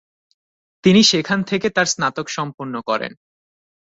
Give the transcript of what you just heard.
তিনি সেখান থেকে তার স্নাতক সম্পন্ন করেন।